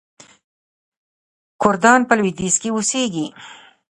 کردان په لویدیځ کې اوسیږي.